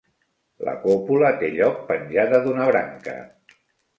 La còpula té lloc penjada d'una branca.